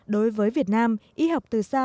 đối với việt nam y học từ xa